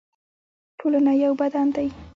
ټولنه یو بدن دی